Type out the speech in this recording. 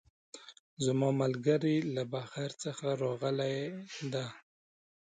زما ملګرۍ له بهر څخه راغلی ده